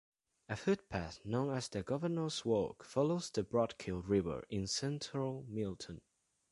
A footpath known as the Governors Walk follows the Broadkill River in central Milton.